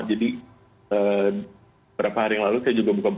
jadi beberapa hari yang lalu saya juga berbuka puasa